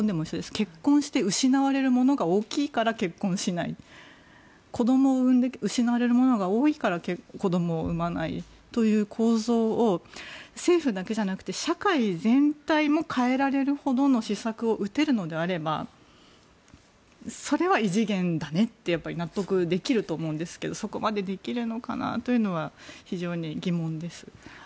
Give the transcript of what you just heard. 結婚して失われるものが大きいから結婚しない子どもを産んで失われるものが多いから子どもを産まないという構造を政府だけじゃなくて社会全体も変えられるほどの施策を打てるのであればそれは異次元だねって納得できると思うんですがそこまでできるのかなというのは非常に疑問です。